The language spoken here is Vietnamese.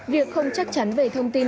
việc không chắc chắn về thông tin